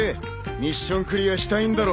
ミッションクリアしたいんだろ！